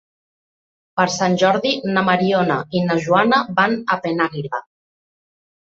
Per Sant Jordi na Mariona i na Joana van a Penàguila.